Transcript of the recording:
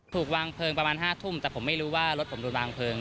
ถูกวางเพลิงประมาณ๕ทุ่มแต่ผมไม่รู้ว่ารถผมโดนวางเพลิง